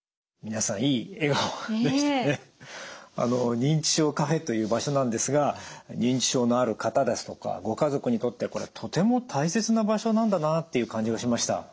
認知症カフェという場所なんですが認知症のある方ですとかご家族にとってはこれはとても大切な場所なんだなっていう感じがしました。